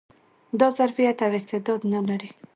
دا ظرفيت او استعداد نه لري